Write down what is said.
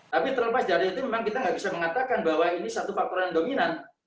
tapi terlepas dari itu memang kita nggak bisa mengatakan bahwa ini satu faktor yang dominan